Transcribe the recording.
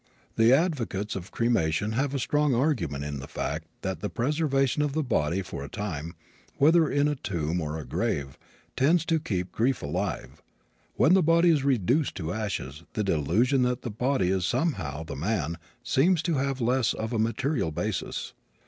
The advocates of cremation have a strong argument in the fact that the preservation of the body for a time, whether in a tomb or a grave, tends to keep grief alive. When the body is reduced to ashes the delusion that the body is somehow the man seems to have less of a material basis.